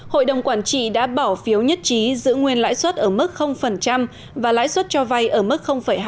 hội đồng quản trị đã bỏ phiếu nhất trí giữ nguyên lãi suất ở mức và lãi suất cho vay ở mức hai mươi năm